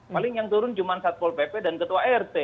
paling yang turun cuma satpol pp dan ketua rt